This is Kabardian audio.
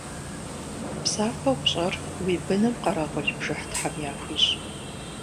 Псапэу пщӏэр уи быным къэрэгъул бжыхь Тхьэм яхуищӏ.